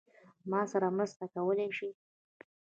ما سره مرسته کولای شې؟